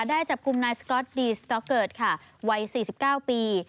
ได้จับกลุ่มนายสก๊อตดีสต๊อกเกิร์ตค่ะวัย๔๙ปี